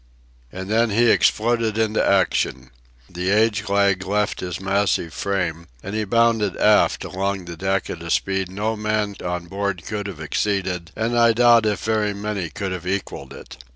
And then he exploded into action. The age lag left his massive frame, and he bounded aft along the deck at a speed no man on board could have exceeded; and I doubt if very many could have equalled it.